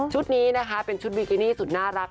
นี้นะคะเป็นชุดบิกินี่สุดน่ารัก